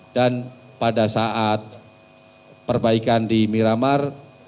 dan pada saat perbaikan di miramar